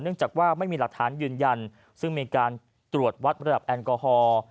จากว่าไม่มีหลักฐานยืนยันซึ่งมีการตรวจวัดระดับแอลกอฮอล์